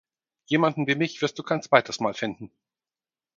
Jemanden wie mich wirst du kein zweites Mal finden.